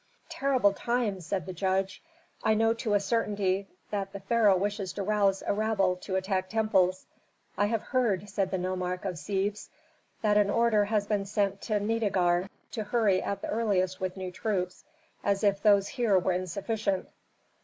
"Terrible times!" said the judge. "I know to a certainty that the pharaoh wishes to rouse a rabble to attack temples." "I have heard," said the nomarch of Sebes, "that an order has been sent to Nitager to hurry at the earliest with new troops, as if those here were insufficient."